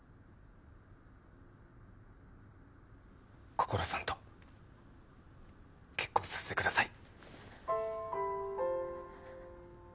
こころさんと結婚させてください。